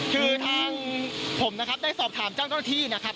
คือทางผมนะครับได้สอบถามเจ้าหน้าที่นะครับ